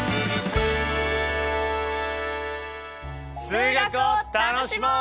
数学を楽しもう！